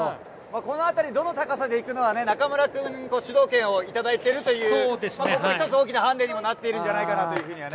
このあたり、どの高さでいくかっていうのはね、中村君に主導権をいただいているという、一つ大きなハンデにもなっているんじゃないかというふうにはね。